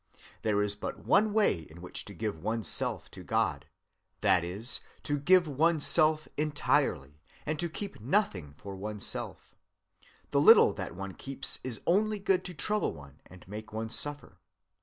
There is but one way in which to give one's self to God,—that is, to give one's self entirely, and to keep nothing for one's self. The little that one keeps is only good to double one and make one suffer.